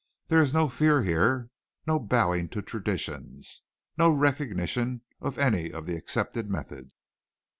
There is no fear here, no bowing to traditions, no recognition of any of the accepted methods.